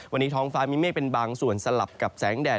วันนี้ท้องฟ้ามีเมฆเป็นบางส่วนสลับกับแสงแดด